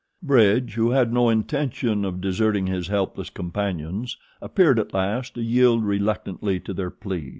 Bridge, who had had no intention of deserting his helpless companions, appeared at last to yield reluctantly to their pleas.